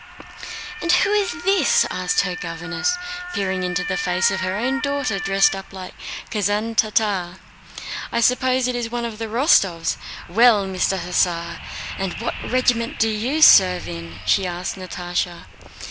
"And who is this?" she asked her governess, peering into the face of her own daughter dressed up as a Kazán Tartar. "I suppose it is one of the Rostóvs! Well, Mr. Hussar, and what regiment do you serve in?" she asked Natásha.